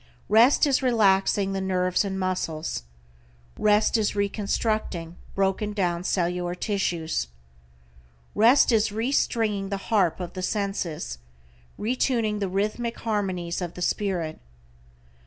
Rest is relaxing the nerves and muscles. Rest is reconstructing broken down cellular tissues. Rest is restringing the harp of the senses, retuning the rhythmic harmonies of the spirit.